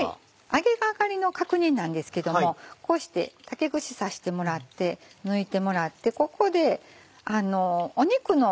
揚げ上がりの確認なんですけどもこうして竹串刺してもらって抜いてもらってここで肉の。